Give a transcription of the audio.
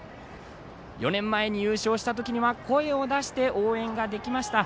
４年前に優勝した時には声を出して応援ができました。